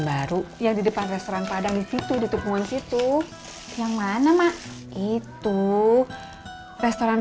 baru yang di depan restoran padang di situ di tukungan situ yang mana mak itu restoran